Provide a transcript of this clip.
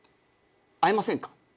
「会えませんか？」